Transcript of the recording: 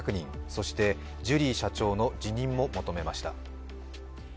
そしてジュリー社長の辞任も求めました。